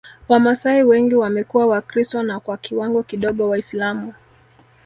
Wamasai wengi wamekuwa Wakristo na kwa kiwango kidogo Waislamu